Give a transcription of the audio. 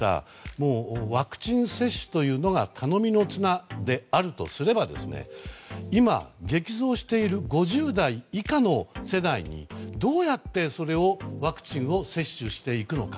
もうワクチン接種というのが頼みの綱であるとすれば今、激増している５０代以下の世代にどうやってワクチンを接種していくのか。